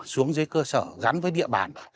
xuống dưới cơ sở gắn với địa bàn